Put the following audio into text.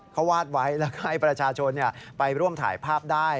เขาวาดไว้แล้วก็ให้ประชาชนไปร่วมถ่ายภาพได้